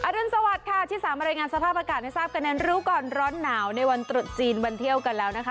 รุนสวัสดิ์ค่ะที่สามรายงานสภาพอากาศให้ทราบกันในรู้ก่อนร้อนหนาวในวันตรุษจีนวันเที่ยวกันแล้วนะคะ